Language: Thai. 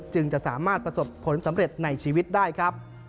จึงจะสามารถประสบผลสำเร็จในชีวิตได้ครับ